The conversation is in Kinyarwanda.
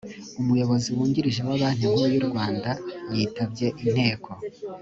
umuyobozi wungirije wa banki nkuru yu rwanda yitabye inteko